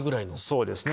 そうですね。